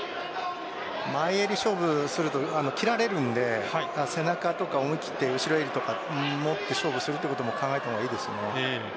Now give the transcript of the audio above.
前襟勝負すると切られるので背中を思い切って後ろとか持って勝負するのを考えたほうがいいですよね。